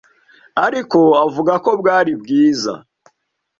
ariko avuga ko bwari bwiza